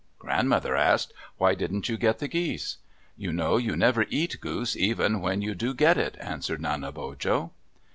Grandmother asked, "Why didn't you get the geese?" "You know you never eat goose, even when you do get it," answered Nanebojo.